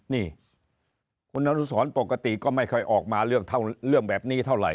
นี่คุณอนุสรปกติก็ไม่ค่อยออกมาเรื่องแบบนี้เท่าไหร